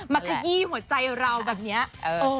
ขยี้หัวใจเราแบบนี้